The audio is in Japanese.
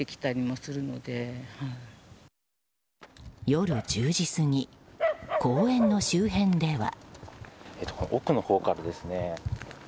夜１０時過ぎ公園の周辺では。